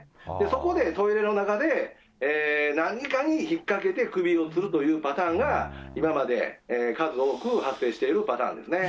そこでトイレの中で何かに引っ掛けて首をつるというパターンが、今まで数多く発生しているパターンですね。